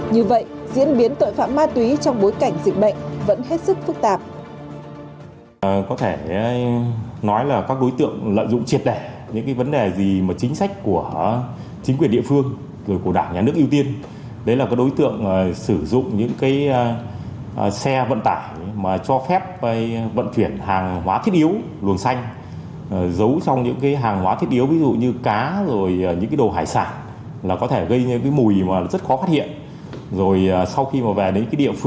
như vậy diễn biến tội phạm ma túy trong bối cảnh dịch bệnh vẫn hết sức phức tạp